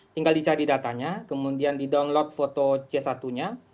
tinggal dicari datanya kemudian didownload foto c satu nya